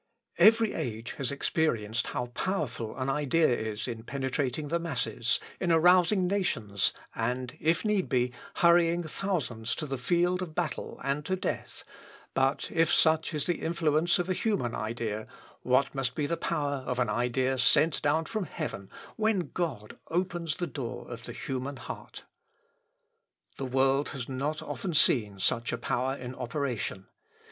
Every age has experienced how powerful an idea is in penetrating the masses, in arousing nations, and, if need be, hurrying thousands to the field of battle and to death; but if such is the influence of a human idea, what must be the power of an idea sent down from heaven when God opens the door of the human heart. The world has not often seen such a power in operation.